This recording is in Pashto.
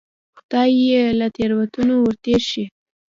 خدای یې له تېروتنو ورتېر شي.